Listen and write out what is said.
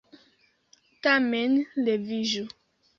Tamen leviĝu!